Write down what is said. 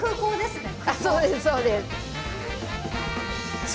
そうですそうです。